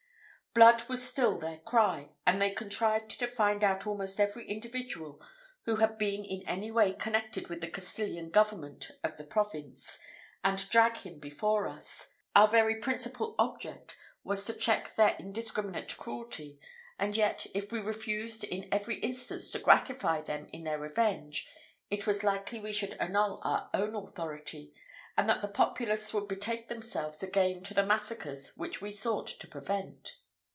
Blood was still their cry, and they contrived to find out almost every individual who had been in any way connected with the Castilian government of the province, and drag him before us. Our very principal object was to check their indiscriminate cruelty, and yet, if we refused in every instance to gratify them in their revenge, it was likely we should annul our own authority, and that the populace would betake themselves again to the massacres which we sought to prevent.